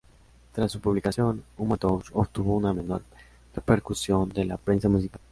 Tras su publicación, "Human Touch" obtuvo una menor repercusión de la prensa musical.